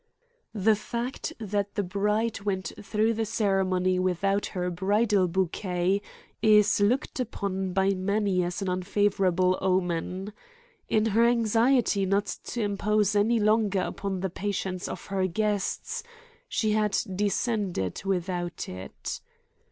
"The fact that the bride went through the ceremony without her bridal bouquet is looked upon by many as an unfavorable omen. In her anxiety not to impose any longer upon the patience of her guests, she had descended without it.